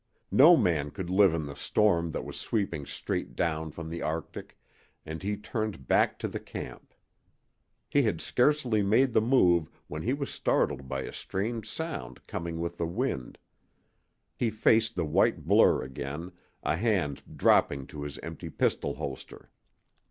No man could live in the storm that was sweeping straight down from the Arctic, and he turned back to the camp. He had scarcely made the move when he was startled by a strange sound coming with the wind. He faced the white blur again, a hand dropping to his empty pistol holster.